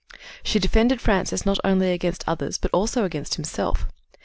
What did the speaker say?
"She defended Francis not only against others but also against himself.